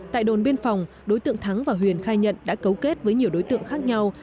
tại đồn biên phòng đối tượng thắng và huyền khai nhận đã cấu kết với nhiều đối tượng khác nhau